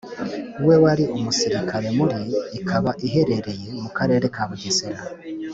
we wari umusirikare muri Ikaba iherereye mu Karere ka Bugesera